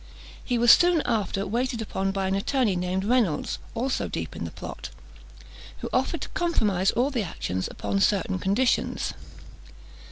He was soon after waited upon by an attorney named Reynolds, also deep in the plot, who offered to compromise all the actions upon certain conditions.